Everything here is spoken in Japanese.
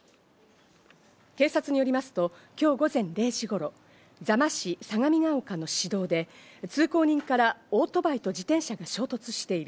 警察によりますと今日午前０時頃、座間市相模が丘の市道で通行人から、オートバイと自転車が衝突している。